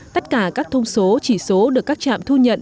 tất cả các thông số chỉ số được các trạm thu nhận